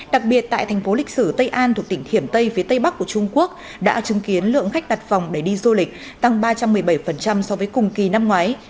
đặc biệt tại thành phố lịch sử tây an thuộc tỉnh thiểm tây phía tây bắc của trung quốc đã chứng kiến lượng khách đặt phòng để đi du lịch tăng ba trăm một mươi bảy so với cùng kỳ năm ngoái